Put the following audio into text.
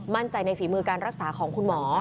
มั่นใจในฝีมือการรักษาของคุณหมอ